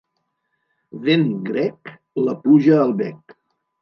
Vent grec, la pluja al bec.